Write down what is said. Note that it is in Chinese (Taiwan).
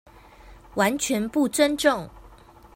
完全不尊重